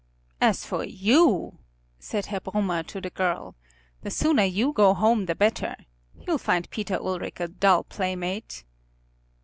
"As for you," said Herr Brummer to the girl, "the sooner you go home the better. You'll find Peter Ulric a dull playmate."